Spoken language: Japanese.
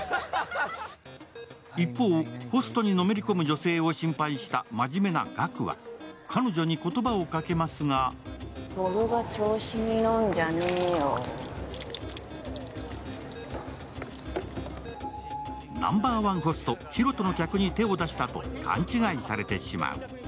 一方、ホストにのめり込む女性を心配した真面目なガクは、彼女に言葉をかけますがナンバーワンホストヒロトの客に手を出したと勘違いされてしまう。